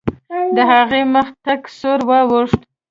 د هغې مخ تک سور واوښت.